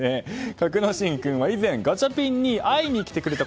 格之進君は以前ガチャピンに会いに来てくれて。